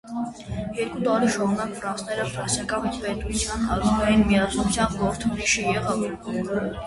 Երկու տարի շարունակ ֆրանսերենը ֆրանսիական պետության ազգային միասնության խորհրդանիշը եղավ։